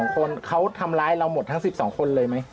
คนเขาทำร้ายเราหมดทั้ง๑๒คนเลยไหม